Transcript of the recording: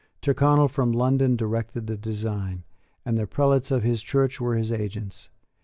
Tyrconnel from London directed the design; and the prelates of his Church were his agents.